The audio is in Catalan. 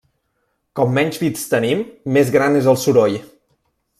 Com menys bits tenim, més gran és el soroll.